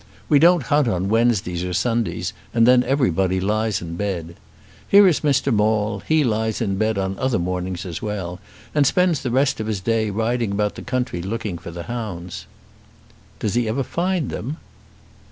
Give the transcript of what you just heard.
We don't hunt on Wednesdays or Sundays, and then everybody lies in bed. Here is Mr. Maule, he lies in bed on other mornings as well, and spends the rest of his day riding about the country looking for the hounds." "Does he ever find them?"